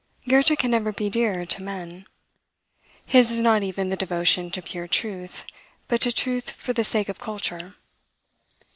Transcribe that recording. Goethe can never be dear to men. His is not even the devotion to pure truth; but to truth for the sake of culture.